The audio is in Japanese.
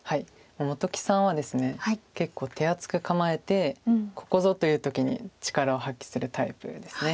本木さんはですね結構手厚く構えてここぞという時に力を発揮するタイプです。